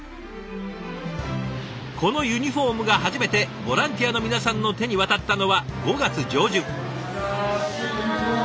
このユニフォームが初めてボランティアの皆さんの手に渡ったのは５月上旬。